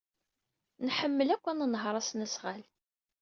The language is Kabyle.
Nḥemmel akk ad nenheṛ asnasɣal.